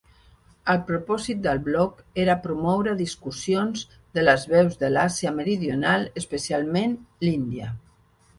El propòsit del bloc era promoure discussions de les veus de l'Àsia meridional, especialment l'Índia.